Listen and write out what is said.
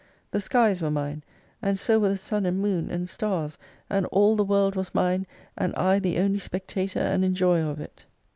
The skies were mine, and so were the sun and moon and stars, and all the World was mine ; and I the only spectator and etjoyer of it.